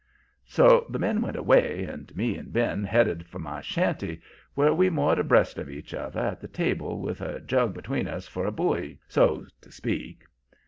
"So the men went away, and me and Ben headed for my shanty, where we moored abreast of each other at the table, with a jug between us for a buoy, so's to speak.